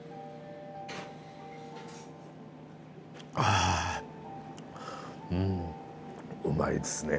あうんうまいですね。